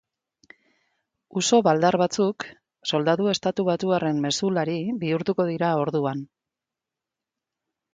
Uso baldar batzuk soldadu estatubatuarrenmezulari bihurtuko dira orduan.